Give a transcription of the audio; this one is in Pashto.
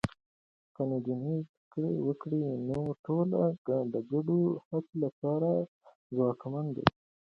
که نجونې زده کړه وکړي، نو ټولنه د ګډو هڅو لپاره ځواکمنه ده.